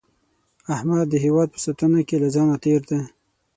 احمد د هیواد په ساتنه کې له ځانه تېر دی.